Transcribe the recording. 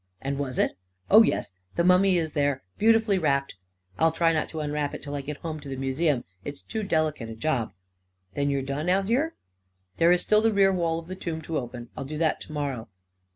"And was it?" "Oh, yes — the mummy is there, beautifully wrapped. I'll not try to unwrap it till I get it home to the museum — it's too delicate a job." " Then you're done out here ?"" There is still the rear wall of the tomb to open. I'll do that to morrow."